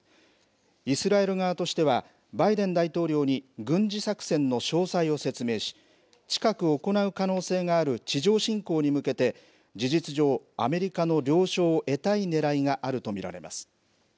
イスラエル側としては、バイデン大統領に軍事作戦の詳細を説明し、近く行う可能性がある地上侵攻に向けて、事実上、アメリカの了承を得たいねらいがあると見られます。